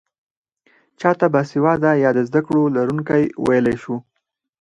چا ته باسواده يا د زده کړو لرونکی ويلی شو؟